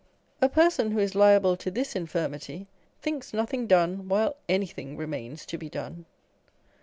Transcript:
A person who is liable to this infirmity, " thinks nothing done, while anything remains to be done."